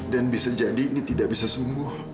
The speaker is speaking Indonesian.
dan bisa jadi ini tidak bisa sembuh